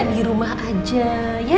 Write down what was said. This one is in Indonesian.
dirumah aja ya